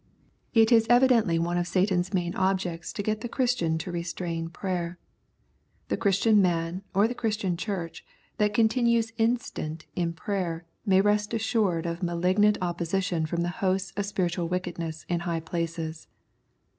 It is evidently one of Satan's main objects to get the Christian to restrain prayer. The Christian man or the Christian Church that continues instant in prayer may rest assured of malignant opposition from the hosts of spiritual wickedness in high places.